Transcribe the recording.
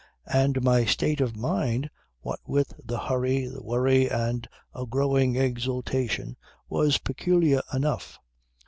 And my state of mind what with the hurry, the worry and a growing exultation was peculiar enough.